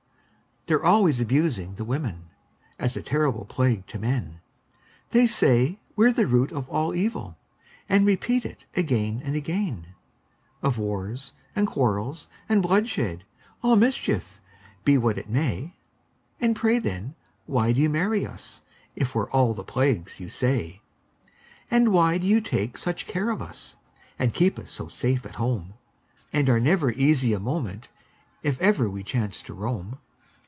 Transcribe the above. They're always abusing the women, As a terrible plague to men; They say we're the root of all evil, And repeat it again and again Of war, and quarrels, and bloodshed, All mischief, be what it may. And pray, then, why do you marry us, If we're all the plagues you say? And why do you take such care of us, And keep us so safe at home, And are never easy a moment If ever we chance to roam?